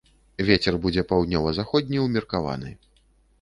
Вецер будзе паўднёва-заходні ўмеркаваны.